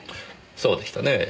そうでしたねぇ。